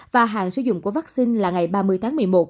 và hàng sử dụng của vaccine là ngày ba mươi tháng một mươi một